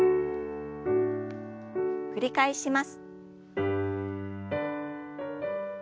繰り返します。